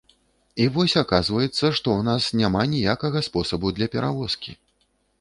І вось аказваецца, што ў нас няма ніякага спосабу для перавозкі.